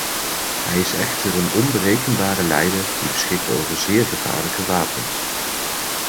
Hij is echter een onberekenbare leider die beschikt over zeer gevaarlijke wapens.